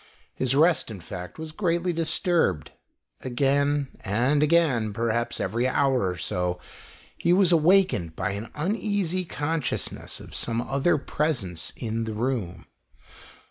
His rest, in fact, was greatly disturbed. Again and again, perhaps every hour or so, he was awakened by an uneasy consciousness of some other presence in the room.